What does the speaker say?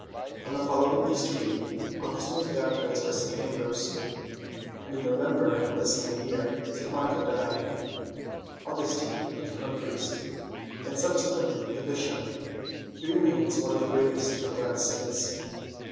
On the following Easter Eve, Au gustine was baptized by St. Ambrose, and in November of the same year St. Monica died. Augustine became a priest and subsequently a Bishop: he remains one of the greatest of God's saints.